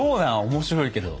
面白いけど。